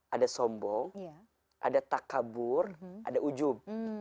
ada sombong ada takabur ada ujub